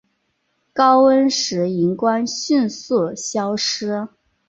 高温时荧光迅速消失。